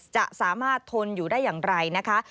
จะสามารถทนอยู่ได้อย่างไรนะคะ